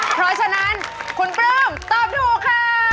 เพราะฉะนั้นคุณปลื้มตอบถูกค่ะ